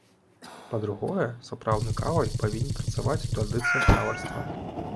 Па-другое, сапраўдны каваль павінен працаваць у традыцыях кавальства.